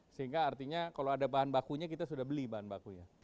sehingga artinya kalau ada bahan bakunya kita sudah beli bahan bakunya